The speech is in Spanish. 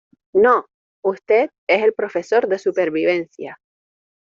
¡ no! usted es el profesor de supervivencia.